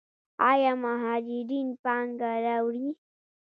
آیا مهاجرین پانګه راوړي؟